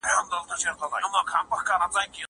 زه له سهاره قلم استعمالوموم!!